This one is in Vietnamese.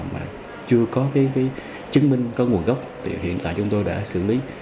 mà chưa có cái chứng minh có nguồn gốc thì hiện tại chúng tôi đã xử lý